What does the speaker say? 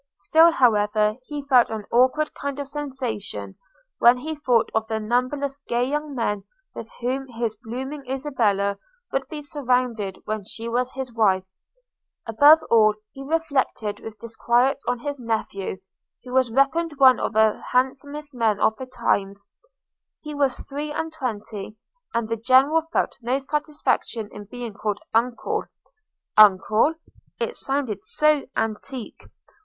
Still, however, he felt an awkward kind of sensation, when he thought of the numberless gay young men with whom his blooming Isabella would be surrounded when she was his wife. Above all, he reflected with disquiet on his nephew, who was reckoned one of the handsomest men of the times – he was three and twenty; and the General felt no satisfaction in being called uncle – uncle! it sounded so antique.